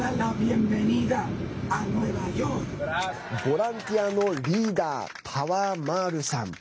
ボランティアのリーダーパワー・マールさん。